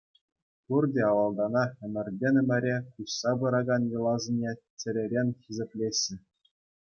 Пурте авалтанах ӗмӗртен ӗмӗре куҫса пыракан йӑласене чӗререн хисеплеҫҫӗ.